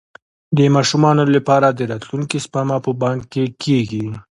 د ماشومانو لپاره د راتلونکي سپما په بانک کې کیږي.